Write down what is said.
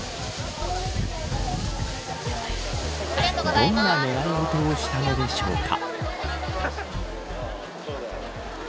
どんな願い事をしたのでしょうか。